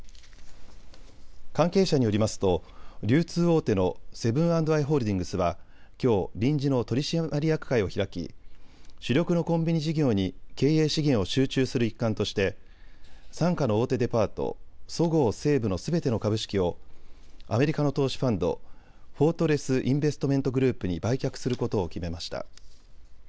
関係者によりますと流通大手のセブン＆アイ・ホールディングスはきょう臨時の取締役会を開き主力のコンビニ事業に経営資源を集中する一環として傘下の大手デパート、そごう・西武のすべての株式をアメリカの投資ファンド、フォートレス・インベストメント・グループに売却することを決めました。